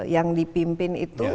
yang dipimpin itu